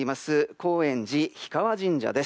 高円寺氷川神社です。